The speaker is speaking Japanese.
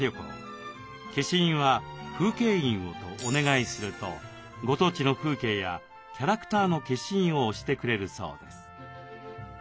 消印は風景印をとお願いするとご当地の風景やキャラクターの消印を押してくれるそうです。